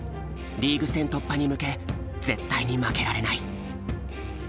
リーグ戦突破に向け絶対に負けられない。